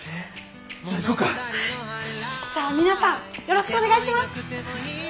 じゃあ皆さんよろしくお願いします。